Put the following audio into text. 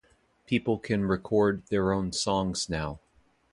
People can record their own songs now.